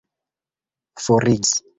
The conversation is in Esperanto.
forigis